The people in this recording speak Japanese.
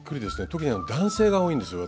特に男性が多いんですよ